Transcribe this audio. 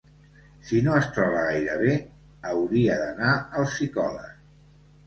Si no es troba gaire bé hauria d'anar al psicòleg.